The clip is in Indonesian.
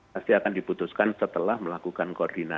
pasti akan diputuskan setelah melakukan koordinasi